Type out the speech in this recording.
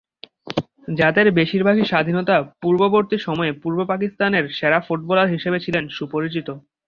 যাঁদের বেশির ভাগই স্বাধীনতা-পূর্ববর্তী সময়ে পূর্ব পাকিস্তানের সেরা ফুটবলার হিসেবে ছিলেন সুপরিচিত।